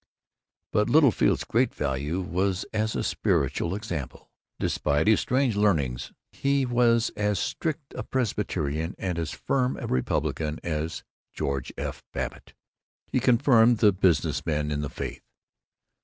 But Littlefield's great value was as a spiritual example. Despite his strange learnings he was as strict a Presbyterian and as firm a Republican as George F. Babbitt. He confirmed the business men in the faith.